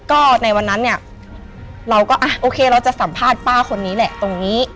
ก็ในวันนั้นเนี่ยเราก็อ่ะโอเคเราจะสัมภาษณ์ป้าคนนี้แหละตรงนี้